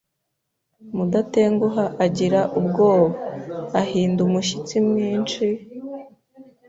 Mudatenguha agira ubwoba, ahinda umushyitsi mwinshi